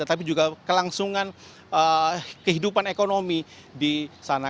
tapi juga kelangsungan kehidupan ekonomi di sana